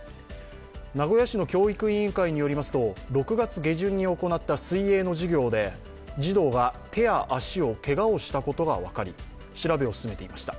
名古屋市の教育委員会によりますと、６月下旬に行った水泳の授業で児童が手や足をけがをしたことが分かり、調べを進めていました。